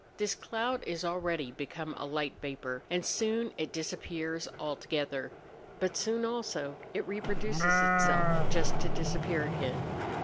Tliis cloud is already become a light vapour, and soon it disappears altogether. But soon also it reproduces itself just to disappear again.